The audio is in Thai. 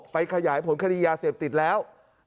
ขยายผลคดียาเสพติดแล้ว